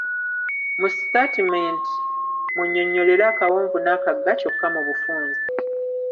Mu sitaatimenti mw’onnyonnyolera akawonvu n’akagga kyokka mu bufunze.